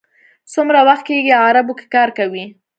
څومره وخت کېږي عربو کې کار کوئ.